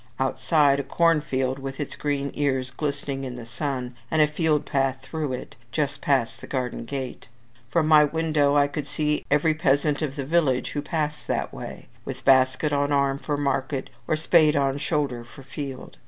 Outside, a corn field, with its green ears glistening in the sun, and a field path through it, just past the garden gate. From my window I could see every peasant of the village who passed that way, with basket on arm for market, or spade on shoulder for field.